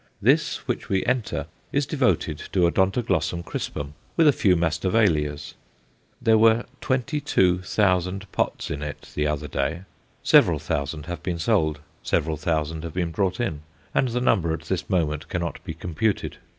This which we enter is devoted to Odontoglossum crispum, with a few Masdevallias. There were twenty two thousand pots in it the other day; several thousand have been sold, several thousand have been brought in, and the number at this moment cannot be computed.